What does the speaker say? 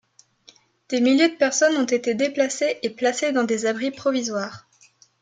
Des milliers de personnes ont été déplacées et placées dans des abris provisoires.